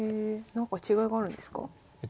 なんか違いがあるんですか？